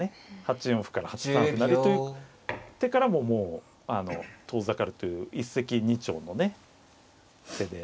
８四歩から８三歩成という手からももう遠ざかるという一石二鳥のね手で。